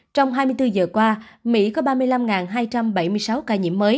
trong hai mươi bốn giờ qua mỹ có ba mươi năm hai trăm bảy mươi tám ca